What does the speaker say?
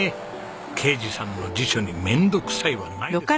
啓二さんの辞書に「面倒くさい」はないですもんね。